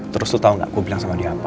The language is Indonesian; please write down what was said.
terus lo tau gak gue bilang sama dia apa